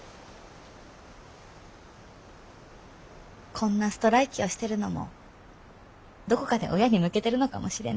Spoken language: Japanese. こんなストライキをしてるのもどこかで親に向けてるのかもしれない。